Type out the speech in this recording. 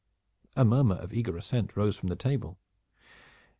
A murmur of eager assent rose from the table.